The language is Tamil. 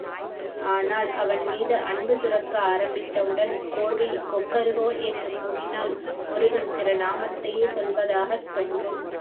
ஆனால் அவன்மீது அன்பு சுரக்க ஆரம்பித்தவுடன் கோழி கொக்கறு கோ என்று கூவினால் முருகன் திருநாமத்தையே சொல்வதாகத் தோன்றும்.